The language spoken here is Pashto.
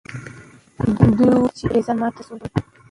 دوی وویل چې انګریزان مات سول.